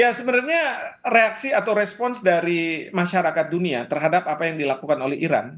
ya sebenarnya reaksi atau respons dari masyarakat dunia terhadap apa yang dilakukan oleh iran